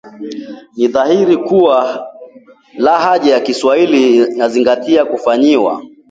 Ni dhahiri kuwa lahaja za Kiswahili zinahitaji kufanyiwa